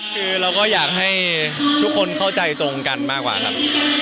คือเราก็อยากให้ทุกคนเข้าใจตรงกันมากกว่าครับ